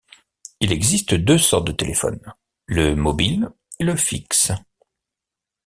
Il existe deux sortes de téléphone, le mobile et le fixe.